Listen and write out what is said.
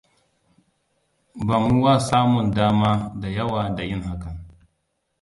Bamuwa samun daama da yawa da yin hakan.